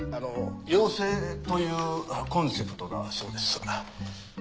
妖精というコンセプトだそうです。